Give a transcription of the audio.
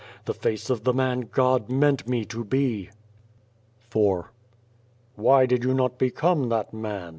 The face of the man God meant me to be." 86 IV "Wnv did you not become that man?"